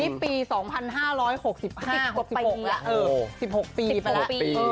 นี่ปี๒๕๖๕ปี๑๖ปีไปแล้ว